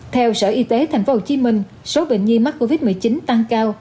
theo sở y tế thành phố hồ chí minh số bệnh nhi mắc covid một mươi chín tăng cao